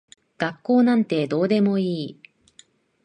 学校なんてどうでもいい。